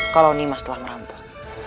kalau nimas telah meramput